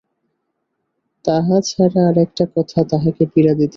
তাহা ছাড়া আর-একটা কথা তাহাকে পীড়া দিতেছিল।